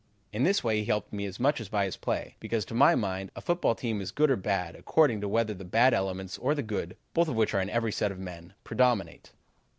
In this way he helped me as much as by his play, because, to my mind, a football team is good or bad according to whether the bad elements or the good, both of which are in every set of men, predominate.